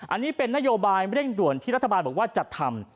อันนี้เป็นนโยบายเร่งด่วนที่รัฐบาลบอกว่าจะทำ